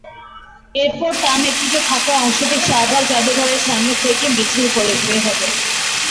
এরপর তাঁর নেতৃত্বে থাকা অংশটি শাহবাগ জাদুঘরের সামনে থেকে মিছিল বের করে।